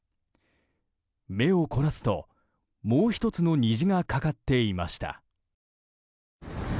目を凝らすと、もう１つの虹がかかっていました。